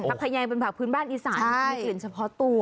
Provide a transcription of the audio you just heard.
ผักขะแยงเป็นผักพื้นบ้านอีสานมันมีขลิ่นเฉพาะตัว